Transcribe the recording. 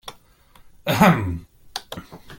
Ehem!